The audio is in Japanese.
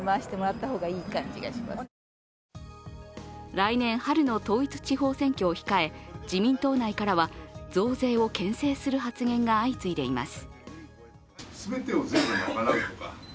来年春の統一地方選挙を控え自民党内からは、増税をけん制する発言が相次いでいます。